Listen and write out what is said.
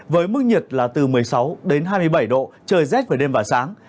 với mức nhiệt là từ một mươi sáu đến hai mươi bảy độ trời rét về đêm và sáng